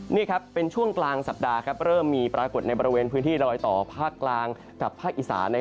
นี่ครับเป็นช่วงกลางสัปดาห์เริ่มมีปรากฏในบริเวณพื้นที่รอยต่อภาคกลางกับภาคอีสาน